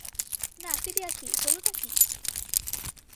না, সিরিয়াসলি, হলোটা কী?